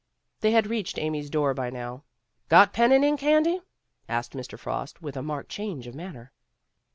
They had reached Amy's door by now. "Got pen and ink handy?" asked Mr. Frost, with a marked change of manner.